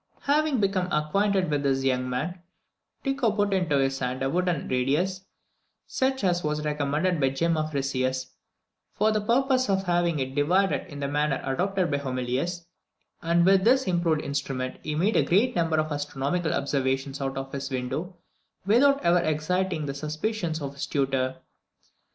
Having become acquainted with this young man, Tycho put into his hand a wooden radius, such as was recommended by Gemma Frisius, for the purpose of having it divided in the manner adopted by Homelius; and with this improved instrument he made a great number of astronomical observations out of his window, without ever exciting the suspicions of his tutor.